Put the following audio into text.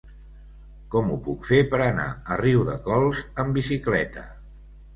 Com ho puc fer per anar a Riudecols amb bicicleta?